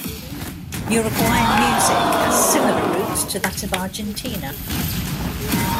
Uruguayan music has similar roots to that of Argentina.